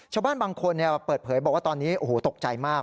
ชาวบ้านบางคนเปิดเผยบอกว่าตอนนี้โอ้โหตกใจมาก